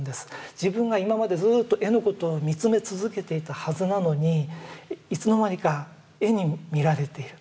自分が今までずっと絵のことを見つめ続けていたはずなのにいつの間にか絵に見られている。